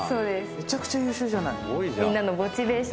めちゃくちゃ優秀じゃない。